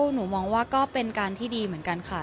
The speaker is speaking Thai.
หนูมองว่าก็เป็นการที่ดีเหมือนกันค่ะ